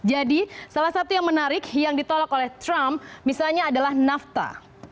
salah satu yang menarik yang ditolak oleh trump misalnya adalah nafta